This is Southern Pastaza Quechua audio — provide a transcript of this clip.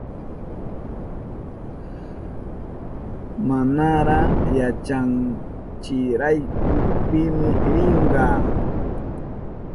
Manara yachanchirachu pimi rinka.